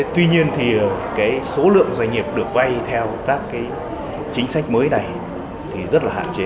tuy nhiên thì cái số lượng doanh nghiệp được vay theo các chính sách mới này thì rất là hạn chế